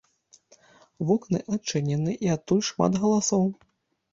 Вокны адчынены, і адтуль шмат галасоў.